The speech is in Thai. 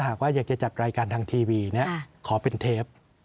หากว่าอยากจะจัดรายการทางทีวีขอเป็นเทป